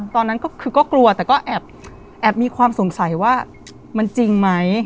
ตอนนั้นก็คือก็กลัวแต่ก็แอบมีความสงสัยว่ามันจริงไหม